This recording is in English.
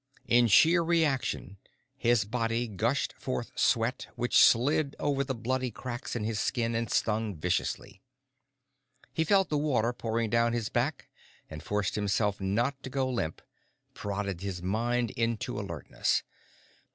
In sheer reaction, his body gushed forth sweat which slid over the bloody cracks in his skin and stung viciously. He felt the water pouring down his back and forced himself not to go limp, prodded his mind into alertness.